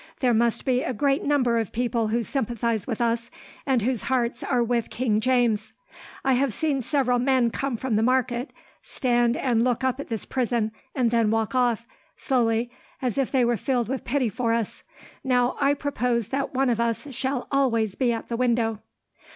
There must be a great number of people who sympathize with us, and whose hearts are with King James. I have seen several men come from the market, stand and look up at this prison, and then walk off, slowly, as if they were filled with pity for us. Now, I propose that one of us shall always be at the window."